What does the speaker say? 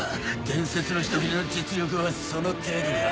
伝説の人斬りの実力はその程度か？